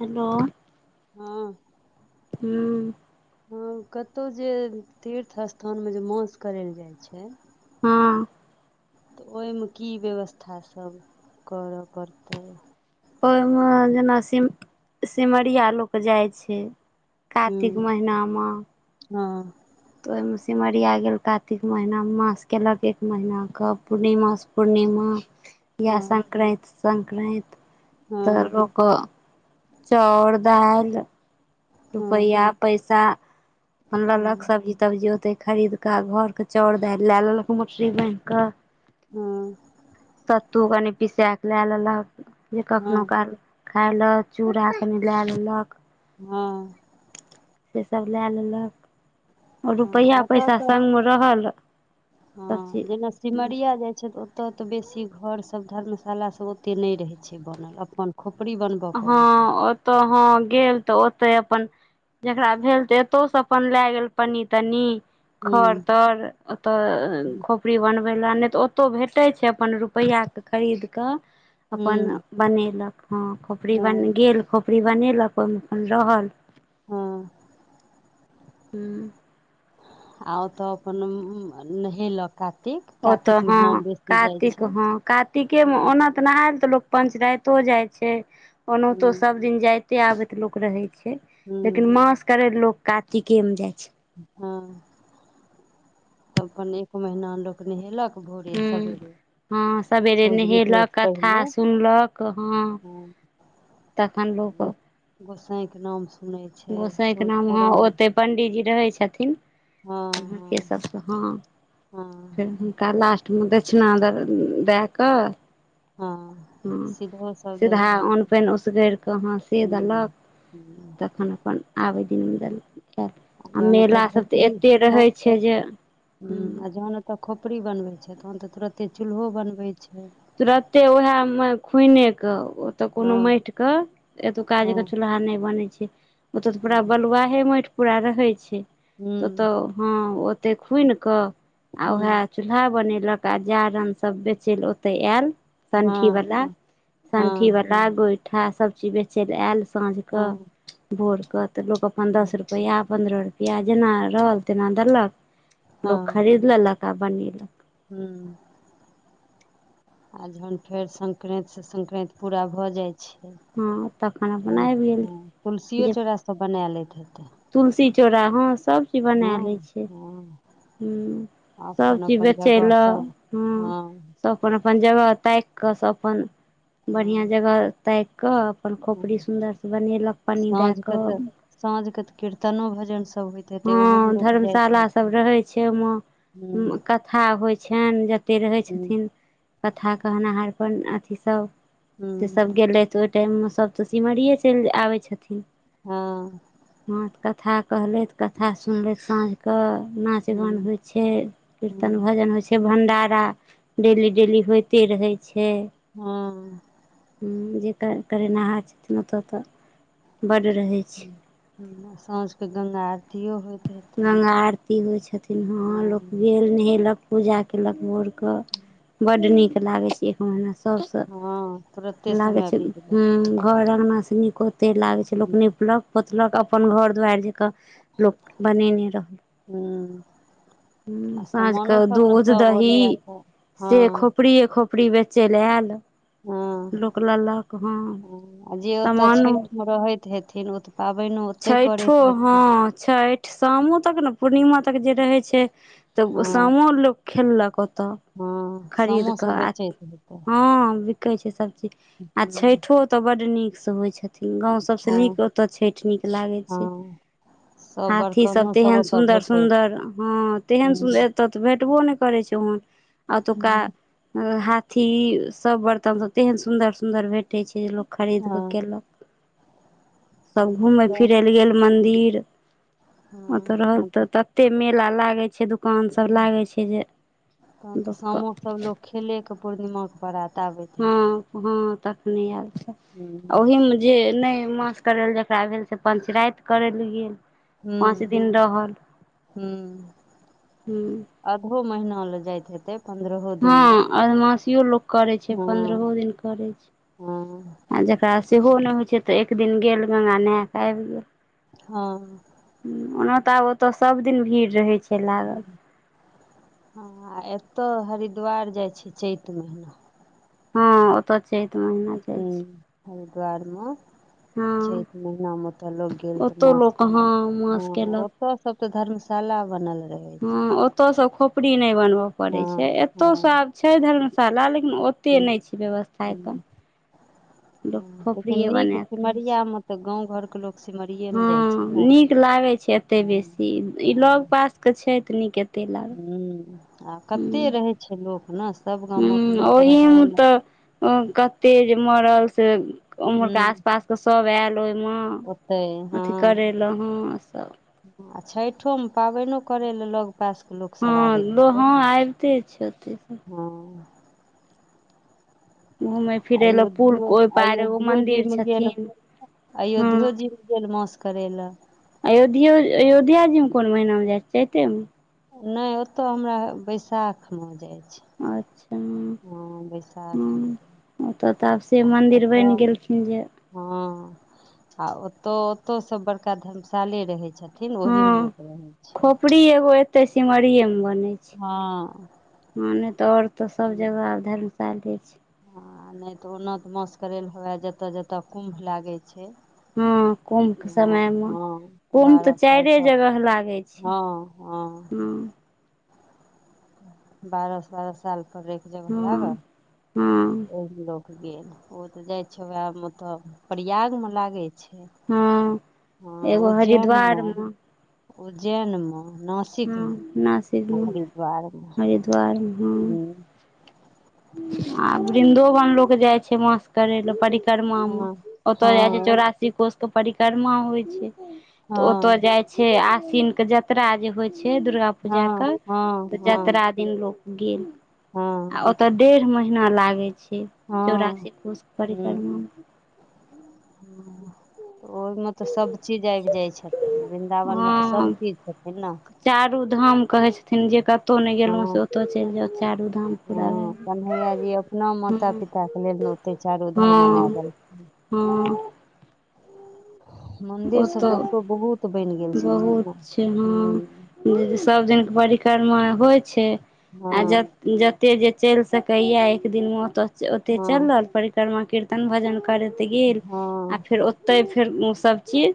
hello हँ हू हँ कतहु जे तीर्थ स्थानमे जे मास करै लए जाइ छै हँ तऽ ओहिमे की व्यवस्था सब करऽ पड़तै ओहिमे जेना सिम सिमरिया लोक जाइ छै कातिक हूँ महिनामे हँ तऽ ओहिमे सिमरिया गेल कातिक महिना मास कयलक एक महिनाके पूर्णिमासँ पूर्णिमा य हँ संक्रत संक्रान्ति तऽ हँ लोक चाउर दाल हँ रुपैया पैसा अपन लेलक हँ सब सब्जी तब्जी ते खरीद कऽ घर के चाउ दालि लए लेलक मोटरी बान्हि कऽ हँ सत्तू कनि पिसा कऽ लए लेलक जे कखनो हँ काल खाइ लए चूड़ा कनी लए लेलक हँ सेसभ लए लेलक आओ हँ रुपैआ ओतऽ पैसा तऽ सङ्गमे रहल हँ सभचीज जेना सिमरिया जाइत छै तऽ ओत त बेसी घर सब धर्मशाला सब ओते नहि रहे छै बनल अपन खोपड़ी बनबै हँ ओतऽ ह गेल तऽ ओतय अपन जेकरा भेल तऽ तो से अपन लय गेल पनी तनी खर हूँ तर ओतऽ हूँ खोपड़ी बनबै लए नहि तऽ ओतहु भेटै छै अपन रुपैआके खरीद कऽ अपन बनेलक हँ खोपड़ी बन हँ गेल खोपड़ी बनेलक ओहिमे अपन रहल हँ हूँ आ ओतऽ अपन नहेलक कातिक ओ तऽ कातिक हँ महिनामे बेसी जाइ कातिक छै हँ कातिकेमे हूँ ओना जेना आब तऽ लोग पंचराइतो जाय छै ओनाहितो हूँ सब दिन जाते आबेत लोक रहे छै लेकिन हँ मास करे ले लोक कातिके में जाय छै हँ त अपन एक महीना लोक नहेलक भोरे हूँ सबेरे हँ सवेरे नहेलक कथा सुनलक हँ फून [inaudible] तखन लोक गोसाइके नाम सुनै छै सूर्य पुरण पण्डीजी रहै छथिन हँ सब हँ हँ फेर आ लास्टमे दक्षिणा दए कऽ हँ हुँ सिधो सब सीधा दैत अन्न हेतै पानि उसगेर कऽ हाँ से देलक हूँ तखन अपन आबे दिन मे देल आ जहन ओतऽ मेला सब ते एते रहे छै छै जे हुँ आ जखन ओतय खोपड़ी बनबै छै तहन तऽ तुरन्ते चूल्हो बनबै छै तुरते उएह मे खुने क ओ तय हँ कोनो माटिके एतओं हँ जंका चूल्हा नहि बनैत छै ओतऽ तऽ पूरा हूँ बलुआहे माटि पूरा रहै छै तऽ हूँ ओतऽ हँ ओते खुईन कऽ आ वएह चूल्हा बनेलक आ जारन सब बेचल ओते आयल हँ सँठीवलाा हँ हँ सँठीवला कड़ा गोइठा सब चीज बेचय ल आयल साँझ के हँ भोर के तऽ लोक अपन दस रुपआ रुपैआ पन्द्रह रुपआ जेना रहल तेना देलक लोक खरीद लेलक तक बनेलक हू आ जहन फेर सक्रान्ति से सक्रान्ति पूरा भऽ जाइ छै हँ तखन अपन तन आबि गेल तुलसिओ जे चौड़ासभ बना लैत हेतै तुलसी चोड़ा हँ सभचीज बना हँ लै छियै हँ हुँ अपन सभचीज अपन बेचय जगह लए सब हाँ हँ सभ अपन अपन जगह ताकि कऽ सभ अपन बढ़िआँ हँ जगह ताकिकऽ अपन खोपड़ी हँ सुन्दरसँ बनेलक पानि दए कऽ सााँझ के त कीर्तनो भजन सब होय हँ धर्मशाला सब रहै छै ओमे हूँ कते कथा होइ छनि जतेक रहै हूँ छथिन कथा कहनाहर अथिसभ हूँ सेसभ गेलथि ओहि टाइममे सभ तऽ सिमरिए चलि आबै छथिन हँ हँ कथा कहलथि कथा सुनलथि साँझ केऽ नाच गान हूँ होइ छै कीर्तन हूँ भजन होइ छै भण्डारा डेली डेली होइते रहै छै हँ हुँ जे कर करेनिहार छथिन ओतय तय बड रहै छै साँझके गङ्ंगा आरतियो होइत हेथिन गंगा आरती होइ छथिन हँहँ लोक हँ गेल नहेलक पूजा केलक भोर क बड नीक लागै छै एक महिना सबसे हँ तुरते लागै समय छै बीत जाइ घर अङ्गनासँ नीक ओते लागै छै लोक हूँ निपलक पोतलक अपन घर दुआरि जकऽ लोक बनेने रहल हुँ हुँ साँझ के दूध सब ओरिया दही कऽ से खो हँ खोपड़रिे खोपड़ी बेचै लए आयल हँ लोक लेलक हँ ह जे ओतऽ सामानो छठिमे रहैत हेथिन ओ पाबैनो ओतहि छठ करैत हेथिन हँ छठ शामो तक ने पूर्णिमा तक जे रहै छै तऽ हँ शामो लोक खेललक ओतऽ हँ खरीद सामो सब कऽ आ बेचैत हेतै हँ बिकै छै सभचीज आ हूँ छठो ओतय बड्ड नीकसँ होइ छथिन गाँव सभसँ नीक हँ ओतय छठि नीक लागै छै हँ सब हाथी सब बर्तनो तेहन ओतऽ सुन्दर भेटैत सुन्दर हँ तेहन हूँ सुन्दर ओतऽ तऽ भेटबो नहि करै छै ओहन आ ओतुका हूँ हाथी सब बर्तन सब तेहन सुंदर सुंदर भेट भेटय छै जे लोक खरीद के हँ केलक सब हँ घूमे फिर सब फिरल गेल हँ मंदिर ओत हँ रहल तहन त तते मेला लागे छै दुख दोकान सब तऽ लागै छै जे लोकके खेले के पूर्णिमा के बरात आबे हँ हँ तखने आयल हूँ ओहिमे जे नहि मास करैलए जकरा भेल से पञ्चराति करै लए गेल पाँच हूँ दिन रहल हुँ अधो महीना ले जाइत हेते हँ अदमासियो लोक करैत छै पन्द्रहो हँ दिन करैत हँ छै आ जख ओरा सेहो नहि होइ छै तऽ एक दिन गेल गङ्गा नहा कऽ आबि गेल हँ ओना तऽ आब ओतय सब दिन भीड़ रहै छै लागल हुँ हँ एतऽ हरिद्वार जाइ छै चैत महिना हँ ओतऽ चैत महिना हुँ हरिद्वारमे हँ चैत महिनामे तऽ लोक गेल तऽ ओतौ मास लोक हँ केलक हँ मास केलक ओ सब सब त धर्मशाला बनल रहे हँ ओतयसँ खोपड़ी नहि बनबय पड़ैत हँ छै एतयसँ आब छै धर्मशाला लेकिन ओतेक हुँ नहि छै व्यवस्था एखन हुँ लोक हँ लेकिन खोपड़िए नीक बना कऽ रहै छै सिमरियामे तऽ गाँव घर के लोग हँ नीक लागे छै एते बेसी ई लग हुँ पास के छै तऽ नीक एते लाग हँ आ कते रहै छै लोक नस ह्म ओहीम तऽ ओ कते जे मरल से उम्हर के आस हुँ पास के सब आयल ओहि मे ओते हँ अथी करैल हँ सभ आ छैठोओमे पाबैनो करय लेल लोग पासके लोक सब हँ आबैत लो हते हँ ने आबिते छै ओते सब हँ घुमय फिरै लए पुल अयोध्यो ओहि पार एगो अयोध्यो मंदिर जीमे गेल छथिन हँ अयोध्यो जी गेल मास करय लए अयोध्यो अयोध्या जी मे कोन महिना मे जाइ छै चैतेमे नहि ओत्त हमरा बैसाखमे जाइत छै अच्छा हँ बैशाखमे हँ ओतऽ तऽ आब से आ मन्दिर बनि ओतऽ गेलखिन जे हँ आ ओतहु ओतौसँ बड़का धर्मशाले रहैत छथिन थिन ओहमे लोक रहै छै सिढ़ी एगो एते सिमरिये मे बनै छै हँ ह नहि त और तऽ सब जगह आब धर्मशाले छै आ नहि तऽ ओन्न तऽ मास करै लए हुए जतऽ जतय कुम्भ लागै छै हँ कुम्भ के हँ समय मे हँ कुम्भ त बारह साल चारे पर जगह लागे छै हँ हँ बारह बारह साल पर रहयके जगह हँ लागह हँ ओ लोक गेल ओ तऽ जाइ छै ओएहमे तऽ प्रयागमे लागै छै हँ एगो उज्जैनमे हरिद्वारमे उज्जैनमे नास हँ नासिकमे मे हरिद्वार में हं हूँ आब वृन्दोवन लोक जाइ छै मास करय लए पर परिक्रमा मे हँ हँ ओतय जाइ छै ओ चौरासी कोश के परिक्रमा होइ छै तऽ ओतय हँ जाय छै आश्विन के जतरा जे होइ छै छै दुर्गा हँ पूजाके हँ तऽ हँ जतरा दिन लोक गेल हँ तऽ डेढ़ महीना लागै छै चौरासी कोष परिक्रमा मे ओहि म तऽ सभचीज आबि जाइ छथिन वृन्दावनमे तऽ हँ सभचीज छथिन ने चारू धाम कहे छथिन न जे कतहु नहि गेलहुँ हँ से ओतऽ चैल जाउ चारू धाम हँ पूरा भए कन्हैया गेल जी अपना माता हँ पिता के लेने ओते चारू धाम मना देलकै हूँ मन्दिरसभ ओतौ तऽ ओतहु बहुत बनि गेल छथिन बहुत ने छै हुँ हँ सभ दिनके परिक्रमा होइ छै आ ज हँ जते जे चलि सकय या एक दिन मे ओते चलि हँ रहल पर क्रिमा कीर्तन भजन करैत गेल आ हँ फेर ओते फेर ओ सब चीज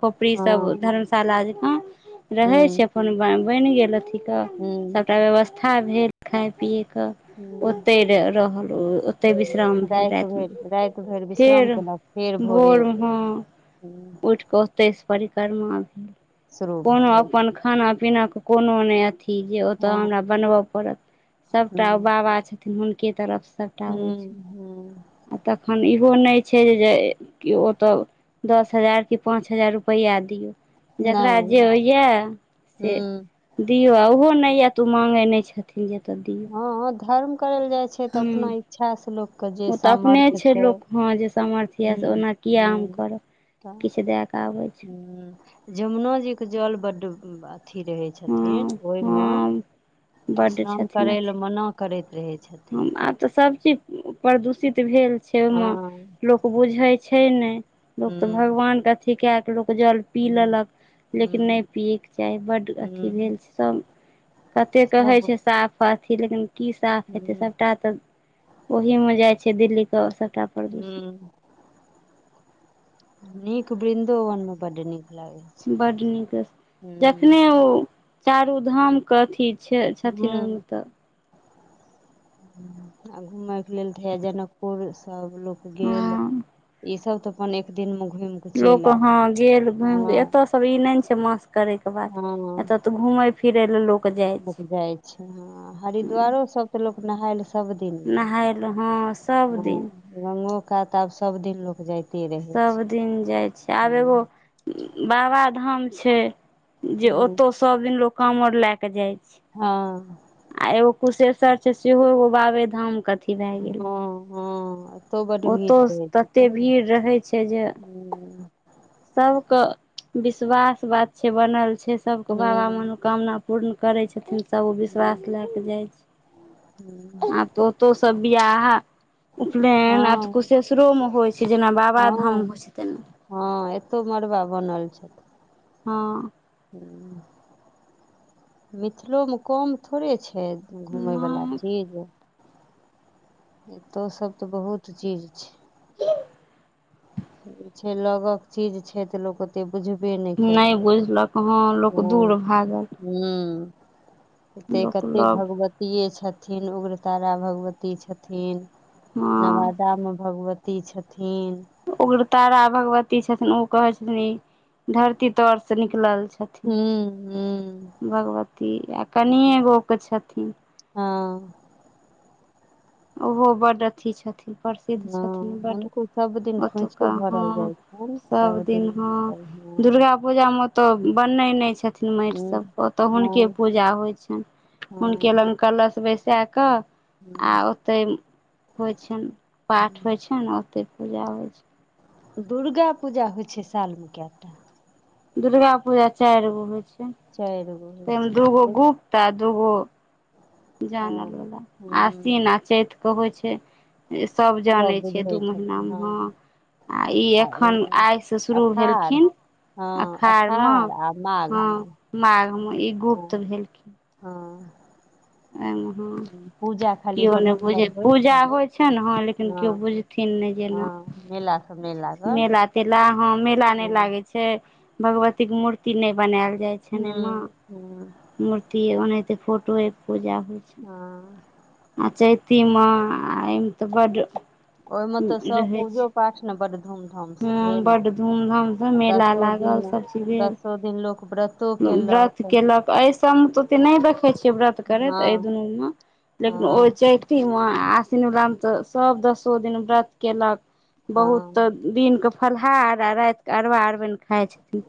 खोपड़ी सब हँ धर्मशाला जकाँ रहै छै हूँ अपन बनि गेल अथी तऽ हूँ सभटा व्यवस्था भेल खाय पियएके हूँ ओतहि रहल ओतहि हूँ विश्राम भेल राति रातिमे भरि राति भरि विश्राम फेर केलक फेर भोरे भोरमे हाँ हूँ उठ के ओतेस परिक्रमा भेल शुरू भऽ कोनो जाइ अपन खाना पीना के कोनो ने अथी इ जे ओतऽ हँ हमरा बनबय पड़त सबटा ओ हूँ बाबा छथिन हुनके तरफ स सभटा होइ हूँ छै हूँ आ तखन इहो नहि छै जे जे ओ तऽ दस हजार कि पाँच हजार रुपैआ दियौ नहि जकरा जे होइए से हूँ दियऔ ओहो नहि यत ओ मांगे नहि छथिन जे दिय हँ धर्म करै लए जाइ छै तऽ अपना इच्छास से लोकके जे ओ तऽ अपने सामर्थ्य छै लोक हँ जे सामर्थ्य यऽ से हूँ ओना किया हम हूँ करब किछु दए क आबै छै हं जमुनो जी के जल बड्ड अथी रहे छै हँ छथिन ओहिमे हँ बड्ड स्नान छथिन करै अथी लए मना करैत रहै छथिन आब तऽ सभ चीज प्रदूषित भेल छै हँ ओहिमे लोक बुझैत छै नहि लोक तऽ हूँ भगवान के अथी कै के लोक जल पी हूँ लेलक लेकिन नहि हूँ पियैके चाही बड्ड अथी हूँ भेल छै सभ कते कहै सब छै साफ पाथी लेकिन की साफ हेतै हूँ सबटा तऽ ओहि मे जाइ छै दिल्ली क सबटा ह्म नीक वृन्दोवन मे बड्ड नीक लागै छै बड नीक जखने हूँ ओ चारू धाम के अथी छै हुँ छथिन ओहिमे तऽ आ घुमयके लेल तऽ है जनकपुर सब लोक गेल हँ इ सब त अपन एक दिन मे घुमि के चलि लोक आयल हां गेल घूम के हँ एतय सब ई नहि छै मासक करे के बाद एत हँ तऽ घूमे फेर एल लोकग जाय लोक जाइ छै ह हरिद्वारो सब तऽ लोक नहाय लए सबदिन गेल नहाय लए हँ सब ह दिन गंगो कात आब सब दिन लोक जाइत सब दिन जाइ छै आब एगो बाबा धाम छै जे ओतौ सब दिन लोग कावर लए क जाइ छै हँ आ एगो कुशेश्वर छै सेहो एगो बाबे धाम कथी हँ हँ ओतहु बड्ड भीड़ ओतौ रहैत तते हेतैन ने भीड़ रहै हँ सब के विश्वास बात छै बनल छै सब के बाबा हूँ मनु कामना पूर्ण करै छथिन सब ओ हूँ विश्वास लए के जाइ छै आब तऽ ओ तो सब बियाह उपनयन आ हँ कुशेश्ररो में होइ छै से जेना बाबाधाम हँ होइ छै तेना हँ एतौ मड़बा बनल छै हँ हं मिथिलोमे कम थोड़े छै घुमयवला नहि चीज एतौ सब तऽ बहुत चीज छै छै लगक चीज छै तऽ लोक ओते बुझबे नहि बुझलक हँ केलक लोक दूर भागल हं हते लोक कते लग भगवती पीये छथिन उग्रतारा भगवती छथिन हँ नवादामे भगवती ति छथिन उग्रतारा भगवती छथिन ओ कहे छथिन ई धरती तर से निकलल छथिन हुँ हूँ भगवती आ कनियए गोके छथिन हँ ओहो बड अथी छथिन प्रसिद्ध छथिन हँ बड हुनको सब दिन खोंइछो ओतुका भरल हं जाइ छनि सभ सब दिन हँ हुनकर दुर्गा पूजा मे ओतऽ बनै नहि छथिन माटि हँ सभ ओतय हुनके हँ पूजा होइ छनि हुनके लग कलश बैसा कऽ हूँ तैमे होइ छनि पाठ हँ होइ छै न ओतय पूजा होइ छ दुर्गा पूजा होइ छै सालमे कएटा दुर्गा पूजा चारि गो होइ छै चारि गो होइ तइमे दूगो छै गुप्ता दूगो हँ जान वाल हूं आसीन आ चैत के होइ छै सभ जानै सब छै बुझै दू महीना छथिन में हँ आ ई एखन आइसँ शुरू अखाड़ भेलखिन हँ अषाढ़ म अखाड़ आ माघ मे हं माघ म ई हँ गुप्त भेलखिन हँ मे ह हँ, पूजा खाली केओ अपन नहि बुझे हुनकर होइ पूजा छनि होइ छै ने हँ लेकिन केओ बुझ थिन नहि हँ जेना मेला समय मेला तेला हँ मेला नहि लागे छै भगवती के मूर्ति नहि बनायल जाय छै हुँ हुँ मूर्ति ए ओनाते फोटो ए पूजा होइ छै हँ आ चैती मे आ एहिमे तऽ बड ओहिमे तऽ सब पूजो पाठ ने बड़ धूमधाम से हँ भेल बड्ड धूमधामसँ आ मेला दसो दिन लागल सभचीज भेल दसो दिन लोक व्रत तो केलक एहि सब म तऽ ओते नहि देखै छियै व्रत करैत एहि दुनू मे लेकिन ओ हँ चैठ आस्विन वला मे तऽ सब दसो दिन व्रत केलक हँ बहुत दिन कऽ फलहार आर रातिकऽ अरबा अरवान खाय छथिन